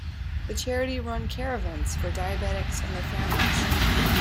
The charity run Care Events for diabetics and their families.